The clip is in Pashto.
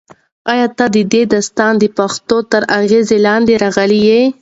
ایا ته د دې داستان د پېښو تر اغېز لاندې راغلی یې؟